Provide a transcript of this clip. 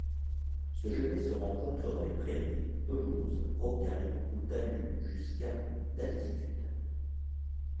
Ce genêt se rencontre dans les prairies, pelouses, rocailles ou talus jusqu'à d'altitude.